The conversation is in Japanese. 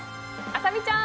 あさみちゃん。